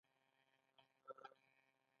نويو راډيويي او ويډيويي خپرونو ته اړتيا ده.